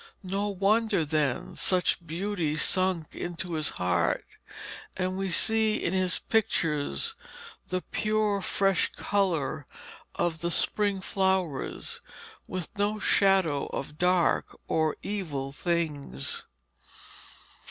No wonder, then, such beauty sunk into his heart, and we see in his pictures the pure fresh colour of the spring flowers, with no shadow of dark or evil things.